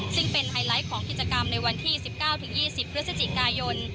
ซึ่งเป็นไฮไลท์ของกิจกรรมในวันที่๑๙๒๐พฤศจิกายน